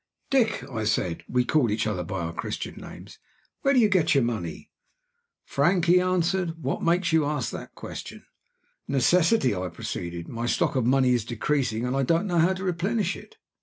"Dick," I said (we called each other by our Christian names), "where do you get your money?" "Frank," he answered, "what makes you ask that question?" "Necessity," I proceeded. "My stock of money is decreasing, and I don't know how to replenish it.